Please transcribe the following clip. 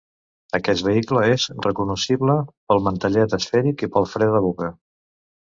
Aquest vehicle és recognoscible pel mantellet esfèric i pel fre de boca.